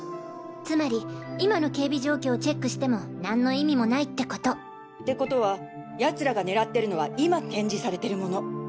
つまり今の警備状況をチェックしても何の意味もないってこと！ってことは奴らが狙ってるのは今展示されてるもの。